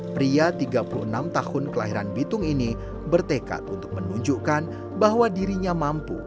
pria tiga puluh enam tahun kelahiran bitung ini bertekad untuk menunjukkan bahwa dirinya mampu